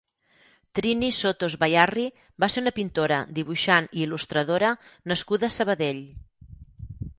Trini Sotos Bayarri va ser una pintora, dibuixant i il·lustradora nascuda a Sabadell.